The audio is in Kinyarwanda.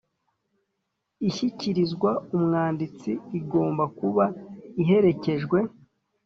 Ishyikirizwa umwanditsi igomba kuba iherekejwe